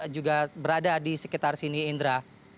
juga berada di sekitar sini indra